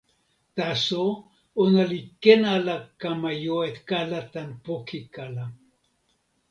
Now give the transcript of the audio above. taso, ona li ken ala kama jo e kala tan poki kala.